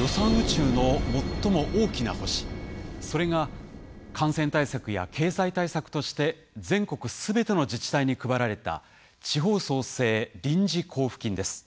予算宇宙の最も大きな星それが感染対策や経済対策として全国全ての自治体に配られた地方創生臨時交付金です。